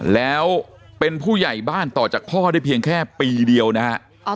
แล้วเป็นผู้ใหญ่บ้านต่อจากพ่อได้เพียงแค่ปีเดียวนะฮะ